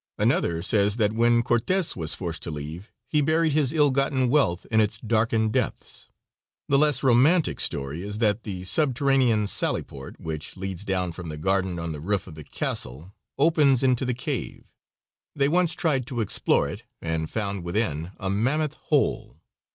Another says that when Cortes was forced to leave he buried his ill gotten wealth in its darkened depths. The less romantic story is that the subterranean sally port, which leads down from the garden on the roof of the castle, opens into the cave; they once tried to explore it, and found within a mammoth hole.